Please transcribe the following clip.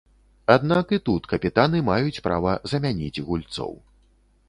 Аднак і тут капітаны маюць права замяніць гульцоў.